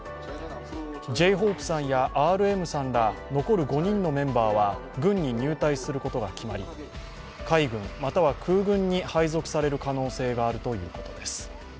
Ｊ−ＨＯＰＥさんやＲＭさんら残る５人のメンバーは軍に入隊することが決まり海軍、または空軍に配属される可能性があるということです。